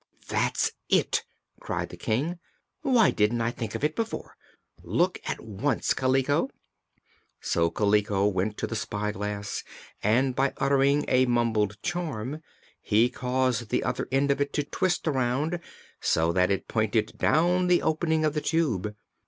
"That's it!" cried the King. "Why didn't I think of it before? Look at once, Kaliko!" So Kaliko went to the Spyglass and by uttering a mumbled charm he caused the other end of it to twist around, so that it pointed down the opening of the Tube.